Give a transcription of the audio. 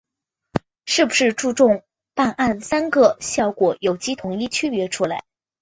是不是注重办案‘三个效果’有机统一区别出来